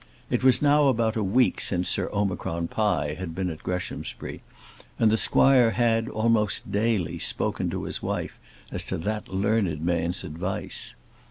It was now about a week since Sir Omicron Pie had been at Greshamsbury, and the squire had, almost daily, spoken to his wife as to that learned man's advice.